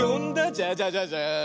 ジャジャジャジャーン。